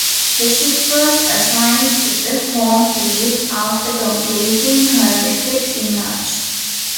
The ship was assigned to the Home Fleet after completing her refit in March.